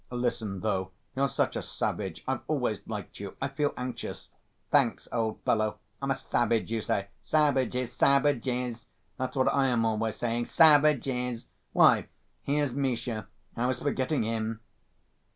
"Listen, though you're such a savage I've always liked you.... I feel anxious." "Thanks, old fellow. I'm a savage you say. Savages, savages! That's what I am always saying. Savages! Why, here's Misha! I was forgetting him."